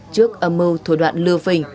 trước âm mưu thổi đoạn lừa phình